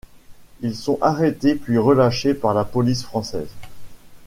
Ils sont arrêtés puis relâchés par la police française.